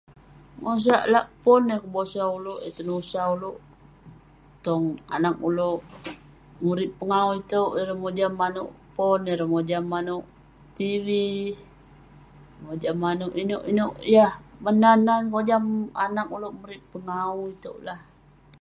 Mosak lak pon eh kebosau uleuk, eh tenusah uleuk tong anaq uleuk. Urip pengawu iteuk ireh mojam maneuk pon, ireh mojam maneuk tivi, mojam maneuk ineuk-ineuk yah menan-nan mojam anaq uleuk murip pengawu iteuk lah.